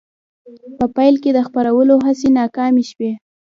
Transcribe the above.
په پیل کې د خپرولو هڅې ناکامې شوې.